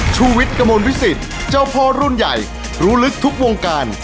ชูวิทย์กระมวลวิสิตเจ้าพ่อรุ่นใหญ่รู้ลึกทุกวงการ